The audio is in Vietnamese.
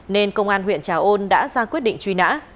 nên công an huyện trà ôn đã ra quyết định truy nã